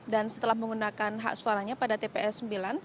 dan setelah menggunakan hak suaranya pada tps sembilan